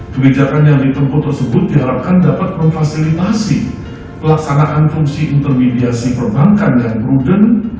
kebijakan yang ditempuh tersebut diharapkan dapat memfasilitasi pelaksanaan fungsi intermediasi perbankan dan prudent